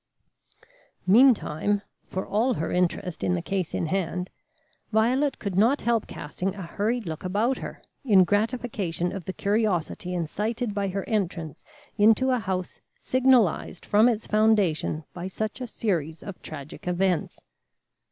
Meantime for all her interest in the case in hand, Violet could not help casting a hurried look about her, in gratification of the curiosity incited by her entrance into a house signalized from its foundation by such a series of tragic events.